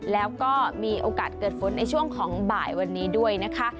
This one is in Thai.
แล้วก็มีโอกาสเกิดฝนในช่วงของบ่ายวันนี้ด้วยนะคะ